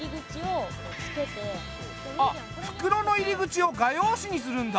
あっ袋の入り口を画用紙にするんだ。